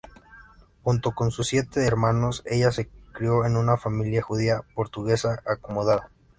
Junto con sus siete hermanos, ella se crió en una familia judía-portuguesa acomodada.